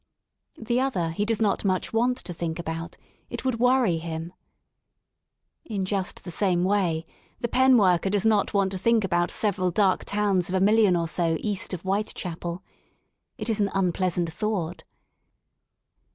The other he does not much want to think about, it would worry him. In just the same way the pen worker does not want to think about several dark towns of a million or so east of *' WhitechapeL" It is an unpleasant thought.